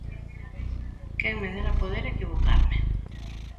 ¡Quen me dera poder equivocarme!